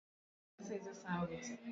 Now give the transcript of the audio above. oka mkate hadi uwe rangi ya kahawia